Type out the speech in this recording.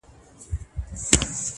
پوهه د پرمختګ نه ختمېدونکې سرچینه ده’